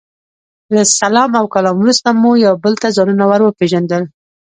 له سلام او کلام وروسته مو یو بل ته ځانونه ور وپېژندل.